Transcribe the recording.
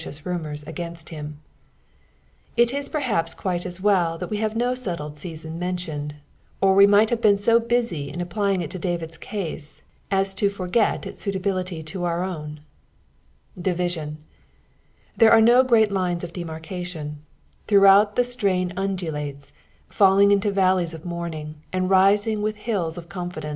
lojui rumours against Aim, It is perhapa aaite aa vnil that im ham no aetUed stasoK mentioned, or tee might have been so busy in upptying it to Davids caaeaa io forget Us suit' abUUy to mcr num. Divmoii. — There are no great lines of danareatlon ; throughout the ttrain undulates, fait ing into valleys qf mourning, and rising with hiUs of confidenM.